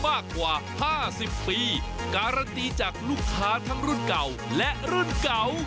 มากกว่า๕๐ปีการันตีจากลูกค้าทั้งรุ่นเก่าและรุ่นเก่า